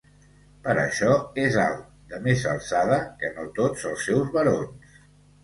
Per això és alt, de més alçada que no tots els seus barons.